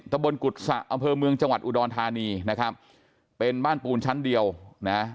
ตะบนกุศะอำเภอเมืองจังหวัดอุดรธานีนะครับเป็นบ้านปูนชั้นเดียวนะ